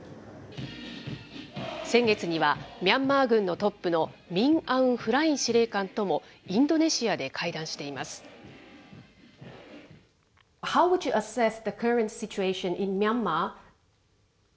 先月には、ミャンマー軍トップのミン・アウン・フライン司令官ともインドネシアで会談しています。